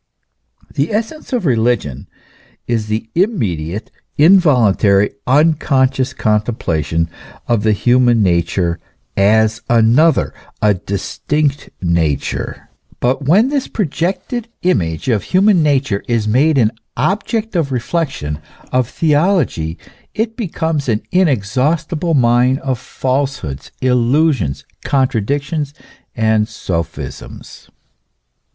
The essence of religion is the immediate, involuntary, un^ conscious contemplation of the human nature as another, a distinct nature. But when this projected image of human 212 THE ESSENCE OF CHRISTIANITY. nature is made an object of reflection, of theology, it becomes an inexhaustible mine of falsehoods, illusions, contradictions, and sophisms.